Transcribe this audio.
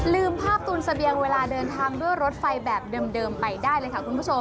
ลืมภาพตูนเสบียงเวลาเดินทางด้วยรถไฟแบบเดิมไปได้เลยค่ะคุณผู้ชม